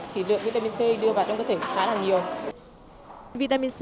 thì lượng vitamin c đưa vào trong cơ thể khá là nhiều